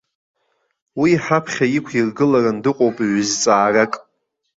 Уи ҳаԥхьа иқәиргыларан дыҟоуп ҩ-зҵаарак.